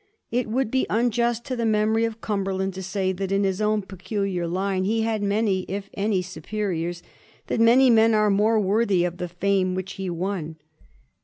It would be unjust to the memory of Cumberland to say that in his own peculiar line he had many, if any, superiors ; that many men are more worthy of the fame which he won.